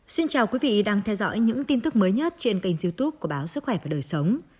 xin chào quý vị đang theo dõi những tin tức mới nhất trên kênh youtube của báo sức khỏe và đời sống